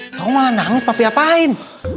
aku malah nangis papi apain